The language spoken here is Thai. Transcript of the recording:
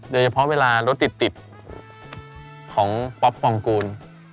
เดี๋ยวเฉพาะเวลารถติดของป๊อปปองกูล